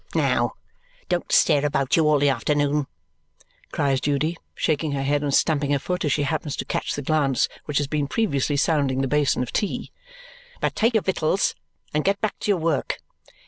"Now, don't stare about you all the afternoon," cries Judy, shaking her head and stamping her foot as she happens to catch the glance which has been previously sounding the basin of tea, "but take your victuals and get back to your work."